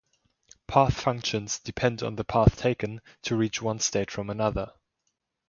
Path functions depend on the path taken to reach one state from another.